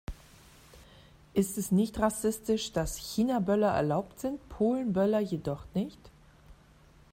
Ist es nicht rassistisch, dass Chinaböller erlaubt sind, Polenböller jedoch nicht?